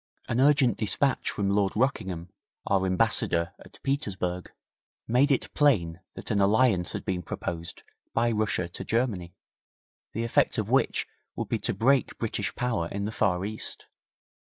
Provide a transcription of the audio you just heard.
An urgent despatch from Lord Rockingham, our Ambassador at Petersburg, made it plain that an alliance had been proposed by Russia to Germany, the effect of which would be to break British power in the Far East.